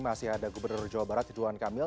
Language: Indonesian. masih ada gubernur jawa barat tiduan kang emil